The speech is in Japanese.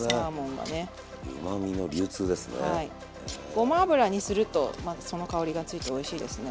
ごま油にするとまたその香りがついておいしいですね。